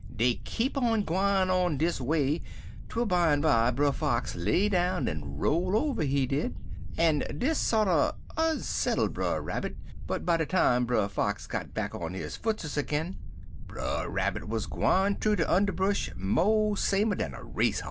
Dey kep' on gwine on dis way twel bimeby Brer Fox lay down en roll over, he did, en dis sorter onsettle Brer Rabbit, but by de time Brer Fox got back on his footses agin, Brer Rabbit wuz gwine thoo de underbresh mo' samer dan a race hoss.